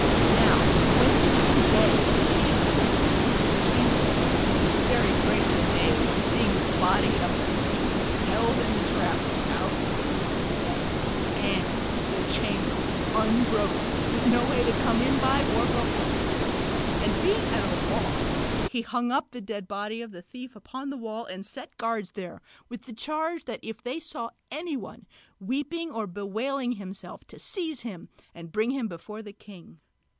Now when it became day, the king entered into the chamber and was very greatly amazed, seeing the body of the thief held in the trap without his head, and the chamber unbroken, with no way to come in by or go out: and being at a loss he hung up the dead body of the thief upon the wall and set guards there, with charge if they saw any one weeping or bewailing himself to seize him and bring him before the king.